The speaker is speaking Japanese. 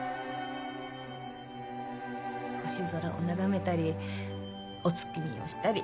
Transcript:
星空を眺めたりお月見をしたり。